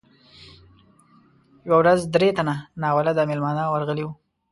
یوه ورځ درې تنه ناولده میلمانه ورغلي وو.